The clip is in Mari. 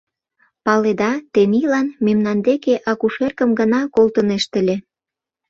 Паледа: тенийлан мемнан деке акушеркым гына колтынешт ыле.